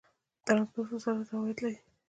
د ټرانسپورټ وزارت عواید لري؟